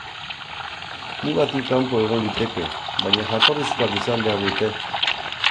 Mugatik kanpo egon liteke, baina jatorrizkoak izan behar dute.